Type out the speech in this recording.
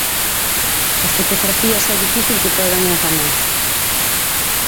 As fotografías é difícil que poidan enganar.